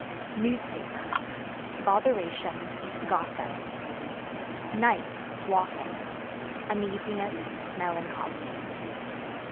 Newspaper Botheration, gossip. Night (Walking) uneasiness, melancholy.